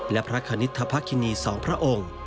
และพระคณิตภินี๒พระองค์